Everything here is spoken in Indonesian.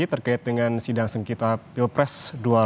terkait dengan sidang sengkita pilpres dua ribu dua puluh empat